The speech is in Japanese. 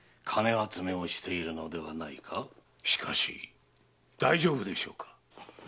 しかし大丈夫でしょうか？